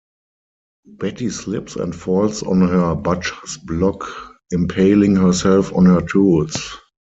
Betty slips and falls on her butcher's block, impaling herself on her tools.